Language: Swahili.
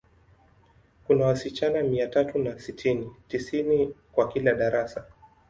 Kuna wasichana mia tatu na sitini, tisini kwa kila darasa.